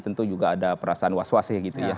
tentu juga ada perasaan was was ya gitu ya